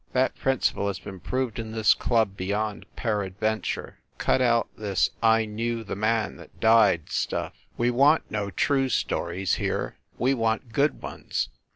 That principle has been proved in this club beyond peradventure. Cut out this 1 knew the man that died stuff ! We want no true stories here : we want good ones!